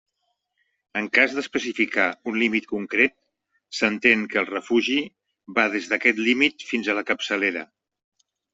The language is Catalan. En cas d'especificar un límit concret, s'entén que el refugi va des d'aquest límit fins a la capçalera.